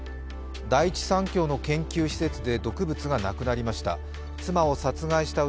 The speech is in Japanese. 第一三共の研究施設で毒物がなくなりました。